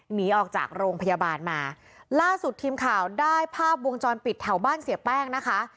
หนีออกจากโรงพยาบาลมาล่าสุดทีมข่าวได้ภาพวงจรปิดแถวบ้านเสียแป้งนะคะ